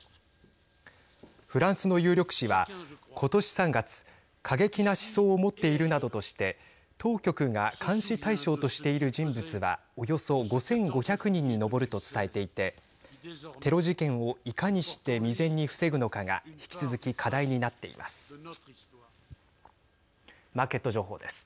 フランスの有力紙はことし３月、過激な思想を持っているなどとして当局が監視対象としている人物はおよそ５５００人に上ると伝えていてテロ事件をいかにして未然に防ぐのかが引き続き、課題になっています。